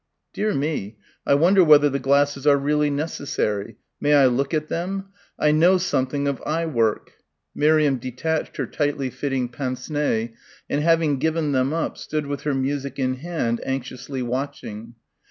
"Dear me ... I wonder whether the glasses are really necessary.... May I look at them?... I know something of eye work." Miriam detached her tightly fitting pince nez and having given them up stood with her music in hand anxiously watching.